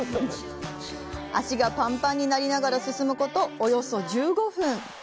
足がぱんぱんになりながら進むこと、およそ１５分。